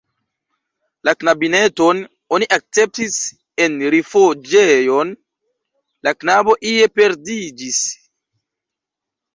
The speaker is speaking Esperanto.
La knabineton oni akceptis en rifuĝejon, la knabo ien perdiĝis.